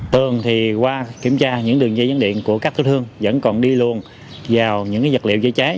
tường thì qua kiểm tra những đường dây dấn điện của các thư thương vẫn còn đi luôn vào những dạng liệu dây cháy